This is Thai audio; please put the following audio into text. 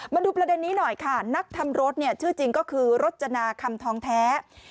มาดูประเด็นนี้หน่อยค่ะนักทำรถเนี่ยชื่อจริงก็คือรจนาคำทองแท้